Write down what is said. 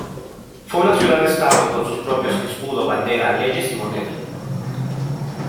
Fue una ciudad estado con sus propios escudo, bandera, leyes y moneda.